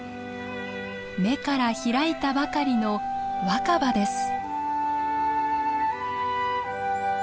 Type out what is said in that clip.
芽から開いたばかりの若葉です。